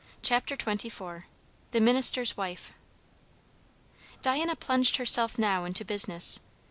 CHAPTER XXIV. THE MINISTER'S WIFE. Diana plunged herself now into business.